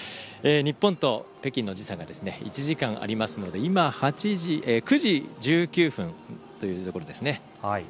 日本と北京の時差が１時間ありますので今、９時１９分ですね。